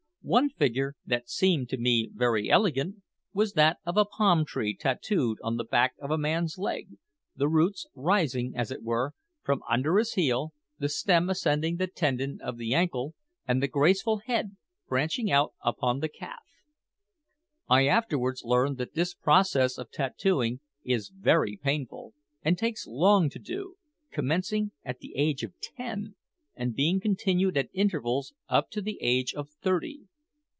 One figure, that seemed to me very elegant, was that of a palm tree tattooed on the back of a man's leg, the roots rising, as it were, from under his heel, the stem ascending the tendon of the ankle, and the graceful head branching out upon the calf. I afterwards learned that this process of tattooing is very painful, and takes long to do, commencing at the age of ten, and being continued at intervals up to the age of thirty.